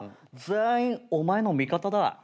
全員お前の味方だ。